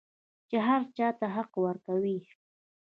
چې هر چا ته حق ورکوي.